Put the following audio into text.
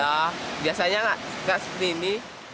ya biasanya nggak seperti ini